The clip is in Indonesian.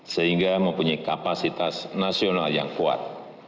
sehingga mempunyai kapasitas nasional yang kuat